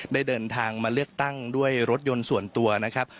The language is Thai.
ได้เดินทางมาเลือกตั้งด้วยรถยนต์ส่วนตัวนะครับ